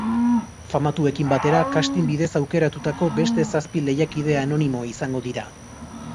Famatuekin batera, casting bidez aukeratutako beste zazpi lehiakide anonimo izango dira.